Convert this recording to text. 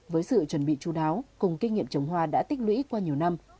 với sự chuẩn bị chú đáo cùng kinh nghiệm trồng hoa đã tích lũy qua nhiều năm